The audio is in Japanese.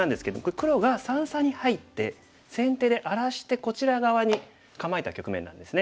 黒が三々に入って先手で荒らしてこちら側に構えた局面なんですね。